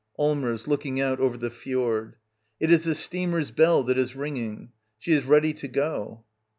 Allmers. [Looks out over the fjord.] It is the steamer's bell that is ringing. She is ready to go.